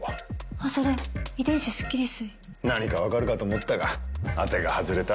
あっそれ「遺伝子す何か分かるかと思ったが当てが外れた。